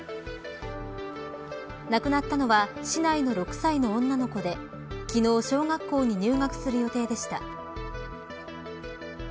亡くなったのは市内の６歳の女の子で昨日小学校に入学する予定でした。